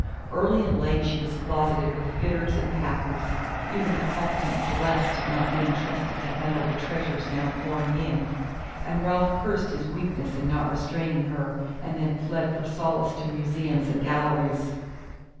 Early and late she was closeted with fitters and packers even the competent Celeste not being trusted to handle the treasures now pouring in and Ralph cursed his weakness in not restraining her, and then fled for solace to museums and galleries.